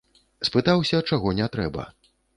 Спытаўся, чаго не трэба.